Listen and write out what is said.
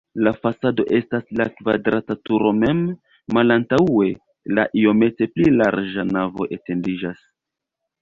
La fasado estas la kvadrata turo mem, malantaŭe la iomete pli larĝa navo etendiĝas.